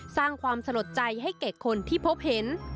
สร้างความสลดใจให้แก่คนที่พบเห็น